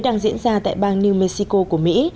đang diễn ra tại bang new mexico của mỹ